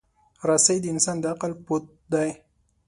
رسۍ د انسان د عقل پُت دی.